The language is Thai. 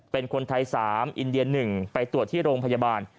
เป็นคนไทย๓อินเดีย๑ไปตรวจที่โรงพยาบาล